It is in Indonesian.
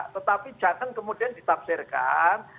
tetapi jangan kemudian ditaksirkan